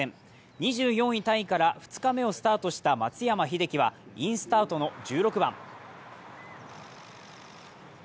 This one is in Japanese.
２４位タイから２日目をスタートした松山英樹はインスタートの１６番。